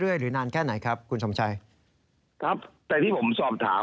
เรื่อยหรือนานแค่ไหนครับคุณสมชัยข้อแต่ที่ผมสอบถาม